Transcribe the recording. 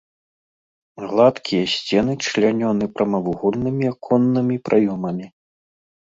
Гладкія сцены члянёны прамавугольнымі аконнымі праёмамі.